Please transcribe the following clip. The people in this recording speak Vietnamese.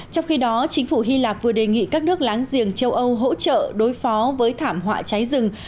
trong khi đó chính phủ hy lạp vừa đề nghị các nước láng giềng châu âu hỗ trợ đối phó với thảm họa cháy rừng